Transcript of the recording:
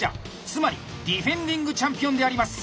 つまりディフェンディングチャンピオンであります。